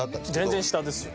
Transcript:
全然下ですよ。